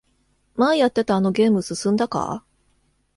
前やってたあのゲーム進んだか？